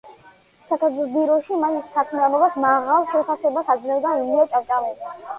სათათბიროში მის საქმიანობას მაღალ შეფასებას აძლევდა ილია ჭავჭავაძე.